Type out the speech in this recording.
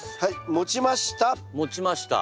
持ちました。